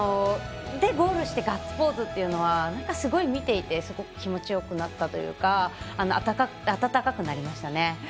ゴールしてガッツポーズっていうのはすごい、見ていて気持ちよくなったというか温かくなりましたね。